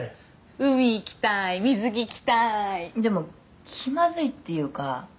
海行きたい水着着たーい「でも気まずいっていうか」